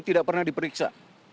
tidak pernah diperiksa